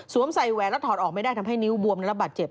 ใส่แหวนแล้วถอดออกไม่ได้ทำให้นิ้วบวมและระบาดเจ็บ